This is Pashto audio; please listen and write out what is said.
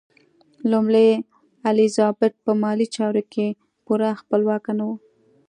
لومړۍ الیزابت په مالي چارو کې پوره خپلواکه نه وه.